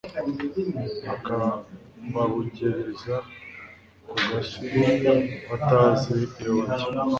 akababungereza ku gasi batazi iyo bajya